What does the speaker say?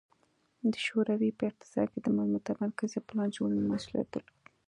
د شوروي په اقتصاد کې د متمرکزې پلان جوړونې مسوولیت درلود